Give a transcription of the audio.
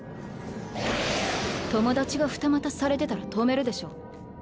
友達が二股されてたら止めるでしょ。